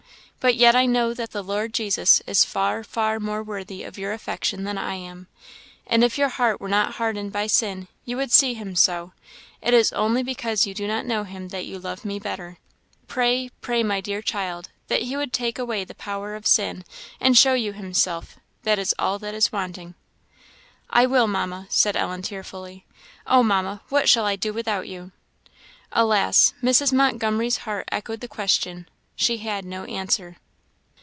But yet I know that the Lord Jesus is far, far more worthy of your affection than I am; and if your heart were not hardened by sin, you would see him so; it is only because you do not know him that you love me better. Pray, pray, my dear child, that he would take away the power of sin, and show you himself; that is all that is wanting." "I will, Mamma," said Ellen, tearfully. "Oh, Mamma, what shall I do without you?" Alas! Mrs. Montgomery's heart echoed the question she had no answer.